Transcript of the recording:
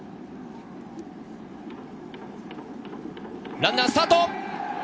ランナースタート！